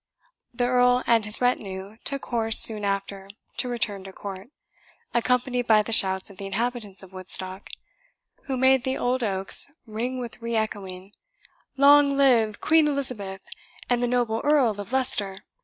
The Earl and his retinue took horse soon after to return to court, accompanied by the shouts of the inhabitants of Woodstock, who made the old oaks ring with re echoing, "Long live Queen Elizabeth, and the noble Earl of Leicester!"